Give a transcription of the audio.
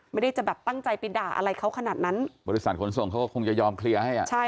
ไม่ได้จะแบบตั้งใจไปด่าอะไรเขาขนาดนั้นบริษัทขนส่งเขาก็คงจะยอมเคลียร์ให้อ่ะใช่